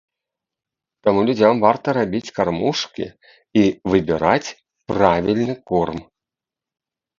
Таму людзям варта рабіць кармушкі і выбіраць правільны корм.